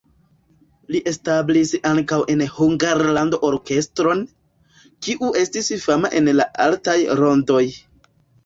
Li establis ankaŭ en Hungarlando orkestron, kiu estis fama en la altaj rondoj.